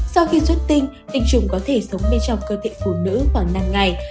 sau khi xuất tinh trùng có thể sống bên trong cơ thể phụ nữ khoảng năm ngày